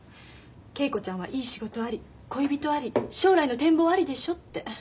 「恵子ちゃんはいい仕事あり恋人あり将来の展望ありでしょ」って。